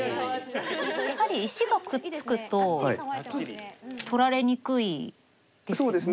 やはり石がくっつくと取られにくいですよね。